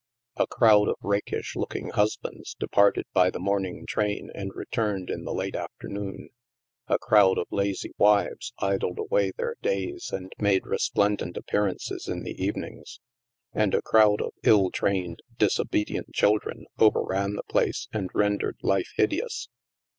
A crowd of rakish looking husbands departed by the morning train and returned in the late afternoon. A crowd of lazy wives idled away their days and made resplendent appearances in the evenings. And a crowd of ill trained, disobedient children overran the place and rendered life hideous.